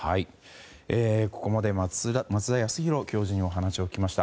ここまで松田康博教授にお話を聞きました。